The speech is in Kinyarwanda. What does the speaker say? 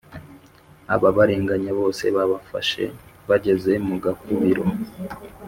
Ababarenganya bose babafashe bageze mu gakubiro.